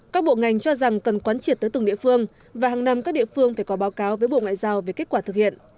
các bộ ngành cho rằng cần quán triệt tới từng địa phương và hàng năm các địa phương phải có báo cáo với bộ ngoại giao về kết quả thực hiện